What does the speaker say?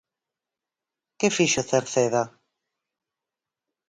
¿Que fixo Cerceda?